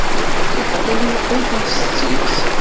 Iḥemmel lqut n setti-s.